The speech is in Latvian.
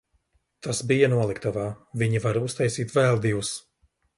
Tas bija noliktavā, viņi var uztaisīt vēl divus.